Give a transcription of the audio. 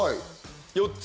４つ。